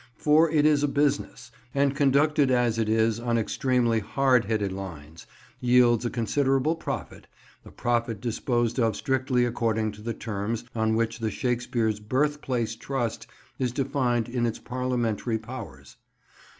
For it is a business, and conducted as it is on extremely hard headed lines, yields a considerable profit; a profit disposed of strictly according to the terms on which the Shakespeare's Birthplace Trust is defined in its Parliamentary powers.